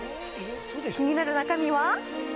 気になる中身は？